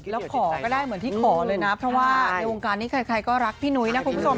แล้วขอก็ได้เหมือนที่ขอเลยนะเพราะว่าในวงการนี้ใครก็รักพี่นุ้ยนะคุณผู้ชม